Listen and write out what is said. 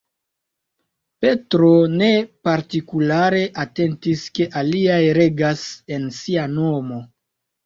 Petro ne partikulare atentis ke aliaj regas en sia nomo.